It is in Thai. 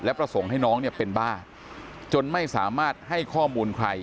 ประสงค์ให้น้องเนี่ยเป็นบ้าจนไม่สามารถให้ข้อมูลใคร